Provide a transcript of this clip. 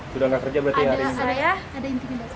sudah nggak kerja berarti hari ini